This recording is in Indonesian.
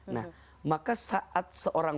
nah maka saat seorang